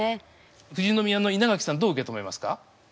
富士宮の稲垣さんどう受け止めますか？